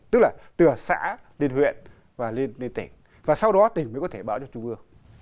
tức là từ xã lên huyện và lên tỉnh và sau đó tỉnh mới có thể báo cho trung ương